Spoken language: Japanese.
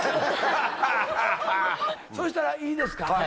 そしたらいいですか？